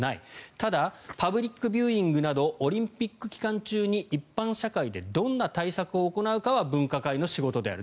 ただパブリックビューイングなどオリンピック期間中に一般社会でどんな対策を行うかは分科会の仕事である。